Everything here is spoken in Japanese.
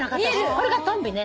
これがトンビね。